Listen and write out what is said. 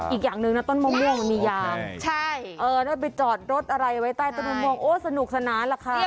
อีกอย่างหนึ่งนะต้นมะม่วงมันมียางแล้วไปจอดรถอะไรไว้ใต้ต้นมองโอ้สนุกสนานล่ะคะ